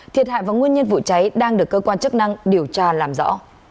thiệt hại và nguyên nhân vụ cháy đang được cơ quan chức năng điều tra làm rõ